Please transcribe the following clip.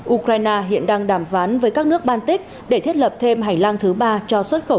ukraine hiện đang đàm phán với các nước baltic để thiết lập thêm hành lang thứ ba cho xuất khẩu